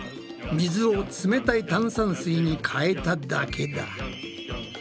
水をつめたい炭酸水にかえただけだ。